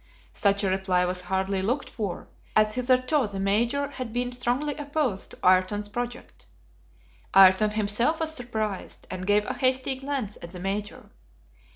Such a reply was hardly looked for, as hitherto the Major had been strongly opposed to Ayrton's project. Ayrton himself was surprised, and gave a hasty glance at the Major.